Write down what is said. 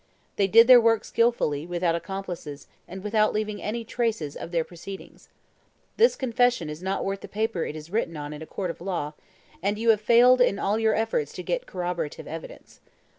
They did their work skilfully, without accomplices, and without leaving any traces of their proceedings. This confession is not worth the paper it is written on in a court of law, and you have failed in all your efforts to get corroborative evidence.